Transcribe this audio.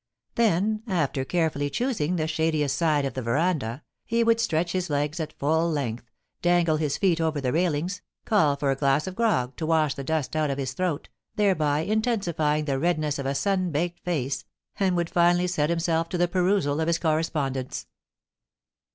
Then, after carefully choosing the shadiest side of the verandah, he would stretch his legs at full length, dangle his feet over the railings, call for a glass of grog to wash the dust out of his throat, thereby intensifying the redness of a sun baked face, and would finally set himself to the perusal of his correspondence.